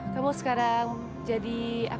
kamu sekarang jadi